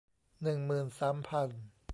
หนึ่งหมื่นสามพัน